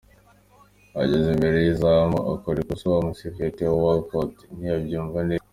Ageze imbere y'izamu akora ikosa bamusifuye Theo Walcott ntiyabyumva neza.